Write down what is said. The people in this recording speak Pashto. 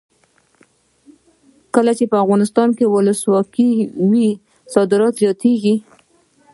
کله چې افغانستان کې ولسواکي وي صادرات زیاتیږي.